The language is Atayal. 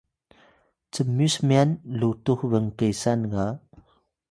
cmyus myan lutux bnkesan ga